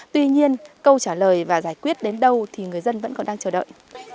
tuy nhiên câu trả lời và giải quyết đến đâu thì người dân vẫn còn đang chờ đợi